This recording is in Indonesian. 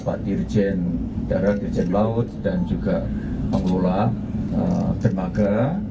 pak dirjen darat dirjen laut dan juga pengelola dermaga